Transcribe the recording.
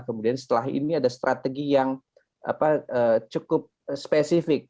kemudian setelah ini ada strategi yang cukup spesifik